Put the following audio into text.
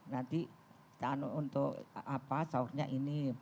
nanti untuk apa saurnya ini